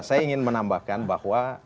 saya ingin menambahkan bahwa